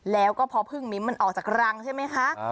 แล้วก็พอพึ่งมิ้นมันออกจากรังใช่ไหมคะ